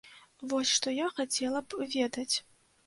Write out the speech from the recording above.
Вось што я хацела б ведаць.